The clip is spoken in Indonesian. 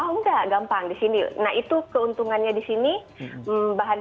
enggak gampang di sini nah itu keuntungannya di sini bahan bahan asia bumbu bumbu asia